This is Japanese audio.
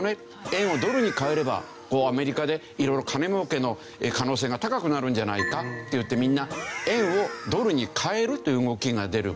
円をドルに替えればアメリカで色々金儲けの可能性が高くなるんじゃないかっていってみんな円をドルに替えるという動きが出る。